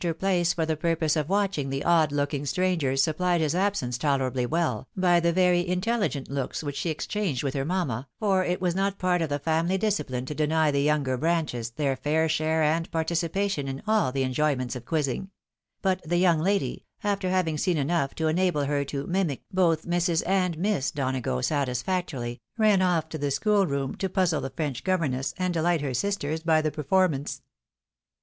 her place for the purpose of watching the odd looking stranger^, supplied his absence tolerably well, by the very intelligent looks which she exchanged with her mamma (for it was not part of the family disciphne to deny the younger branches their fair share and participation in all the enjoyments of quizzing) ; but the young lady, after having seen enough to enable her to mimie both Mrs. and Miss Donago satisfactorily, ran off to the school room, to puzzle the French governess, and dehght her sisters by the performance.